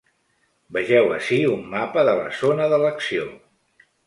Vegeu ací un mapa de la zona de l’acció.